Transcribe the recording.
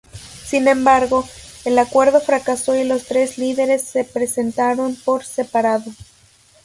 Sin embargo, el acuerdo fracasó y los tres líderes se presentaron por separado.